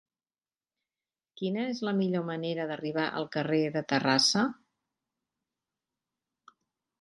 Quina és la millor manera d'arribar al carrer de Terrassa?